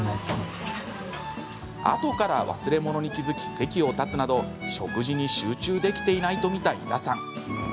あとから忘れ物に気付き席を立つなど食事に集中できてないと見た井田さん。